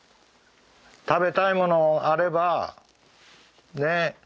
食べたいものあればね？